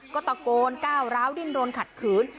ก็ตะโกนกล้าวดิ้นคัดขืน